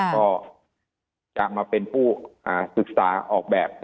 ก็จะมาเป็นผู้ศึกษาออกแบบ